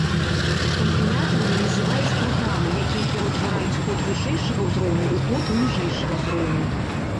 Кампілятарамі называюць праграмы, якія пераўтвараюць код вышэйшага ўзроўню ў код ніжэйшага ўзроўню.